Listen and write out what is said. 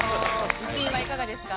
自信はいかがですか？